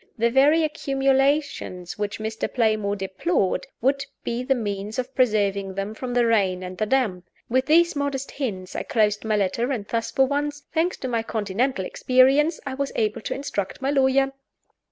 The very accumulations which Mr. Playmore deplored would be the means of preserving them from the rain and the damp. With these modest hints I closed my letter; and thus for once, thanks to my Continental experience, I was able to instruct my lawyer!